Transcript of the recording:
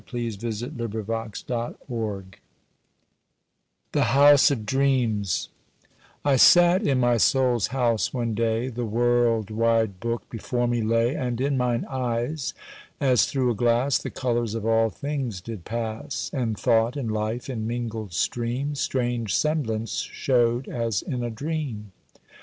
[Illustration: THE·HOVSE·OF·DREAMS] I SATE in my soul's house one day The world wide book before me lay And in mine eyes, as through a glass The colours of all things did pass, And thought and life, in mingled stream, Strange semblance showed as in a dream.